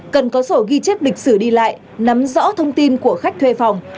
cần có sổ ghi chép lịch sử đi lại nắm rõ thông tin của khách thuê phòng